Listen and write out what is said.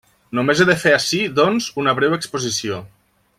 Només he de fer ací, doncs, una breu exposició.